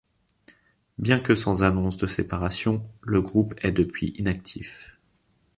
Bien que sans annonce de séparation, le groupe est depuis inactif.